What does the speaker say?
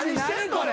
これ。